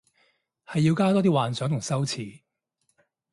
係要加多啲幻想同修辭